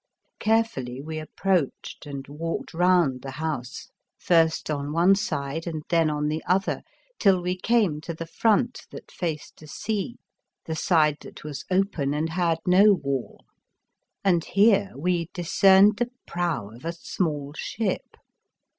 Carefully we ap proached, and walked round the house, *°3 The Fearsome Island first on one side and then on the other, till we came to the front that faced the sea, the side that was open and had no wall, and here we discerned the prow of a small ship.